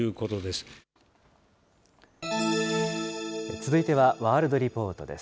続いては、ワールドリポートです。